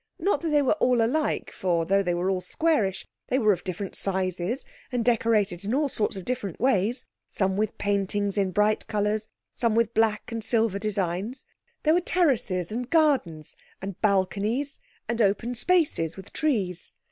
Not that they were all alike, for though all were squarish, they were of different sizes, and decorated in all sorts of different ways, some with paintings in bright colours, some with black and silver designs. There were terraces, and gardens, and balconies, and open spaces with trees.